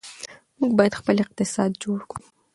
موږ باید خپل اقتصاد جوړ کړو.